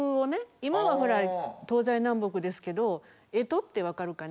今は東西南北ですけど「えと」ってわかるかな？